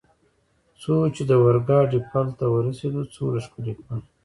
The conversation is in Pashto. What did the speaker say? څو چې د اورګاډي پل ته ورسېدو، څومره ښکلی پل.